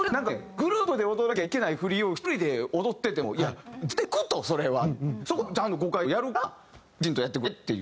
グループで踊らなきゃいけない振りを１人で踊っててもそこはちゃんと５回以上やるからきちんとやってくれっていう。